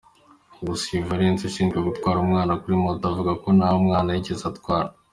Gusa uyu valens ushinjwa gutwara umwana kuri moto, avuga ko nta mwana yigeze atwara.